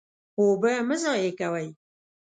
اوبه مه ضایع کوئ.